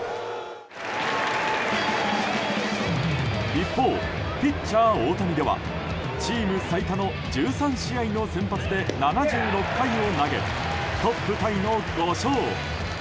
一方、ピッチャー大谷ではチーム最多の１３試合の先発で、７６回を投げトップタイの５勝。